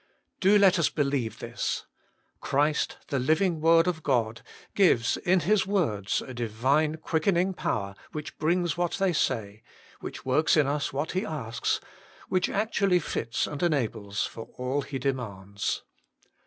Do let us believe this : Christ, the living "Word of God, gives in His words a Divine quickening power which brings what they say, which works in us what He asks, which actually fits and enables for all He demands.